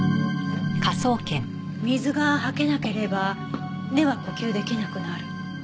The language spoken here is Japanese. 水がはけなければ根は呼吸出来なくなる。